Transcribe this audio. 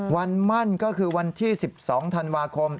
วันมั่นก็คือวันที่๑๒ธันวาคม